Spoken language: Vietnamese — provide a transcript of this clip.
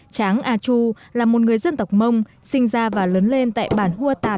tráng a chu là một người dân tộc mông sinh ra và lớn lên tại bản